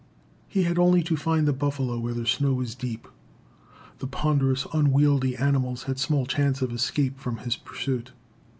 He had only to find the buffalo where the snow was deep. The ponderous, unwieldy animals had small chance of escape from his pursuit.